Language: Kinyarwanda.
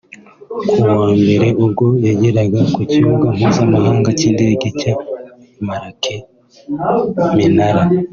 Ku wa mbere ubwo yageraga ku kibuga mpuzamahanga cy’indege cya Marrakech-Menara